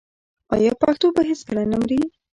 آیا پښتو به هیڅکله نه مري؟